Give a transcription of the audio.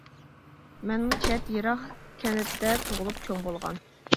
مەنمۇ چەت، يىراق كەنتتە تۇغۇلۇپ چوڭ بولغان.